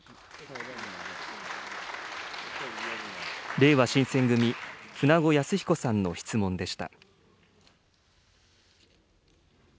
れいわ新選組、舩後靖彦さんの質問でした。